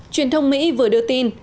truyền thông mỹ vừa đưa tin